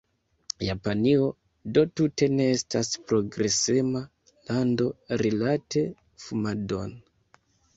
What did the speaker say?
Japanio do tute ne estas progresema lando rilate fumadon.